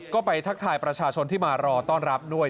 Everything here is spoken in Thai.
ก็ไปทักทายประชาชนที่มารอต้อนรับด้วย